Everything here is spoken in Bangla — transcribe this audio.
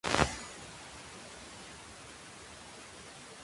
জনপ্রিয় সংস্কৃতিতে চরিত্রটি বহুবার উল্লেখ করা হয়েছে।